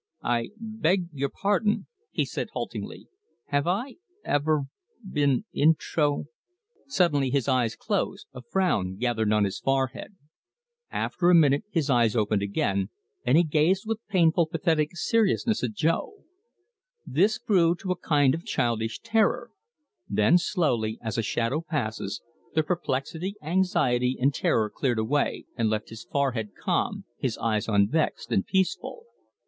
"I beg your pardon," he said haltingly, "have I ever been intro " Suddenly his eyes closed, a frown gathered on his forehead. After a minute his eyes opened again, and he gazed with painful, pathetic seriousness at Jo. This grew to a kind of childish terror; then slowly, as a shadow passes, the perplexity, anxiety and terror cleared away, and left his forehead calm, his eyes unvexed and peaceful.